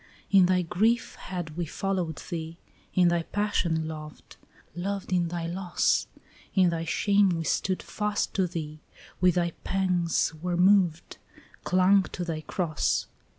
In thy grief had we followed thee, in thy passion loved, Loved in thy loss; In thy shame we stood fast to thee, with thy pangs were moved, Clung to thy cross.